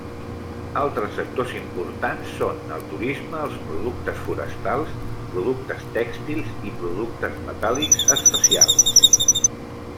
Altres sectors importants són el turisme, els productes forestals, productes tèxtils i productes metàl·lics especials.